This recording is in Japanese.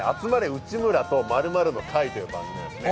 内村と○○の会」という番組なんですね。